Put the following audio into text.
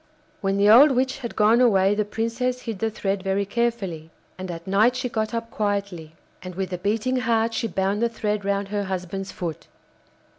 When the old witch had gone away the Princess hid the thread very carefully, and at night she got up quietly, and with a beating heart she bound the thread round her husband's foot.